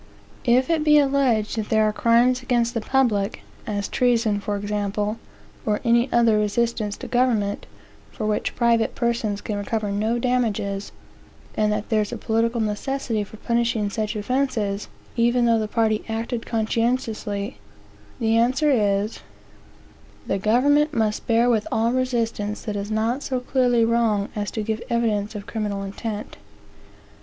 If it be alleged that there are crimes against the public, (as treason, for example, or any other resistance to government,) for which private persons can recover no damages, and that there is a political necessity for punishing for such offences, even though the party acted conscientiously, the answer is, the government must bear with all resistance that is not so clearly wrong as to give evidence of criminal intent.